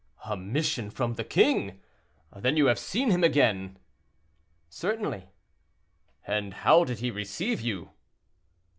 "A mission from the king! then you have seen him again?" "Certainly." "And how did he receive you?"